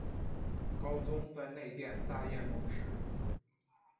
高宗在内殿大宴蒙使。